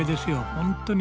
本当に。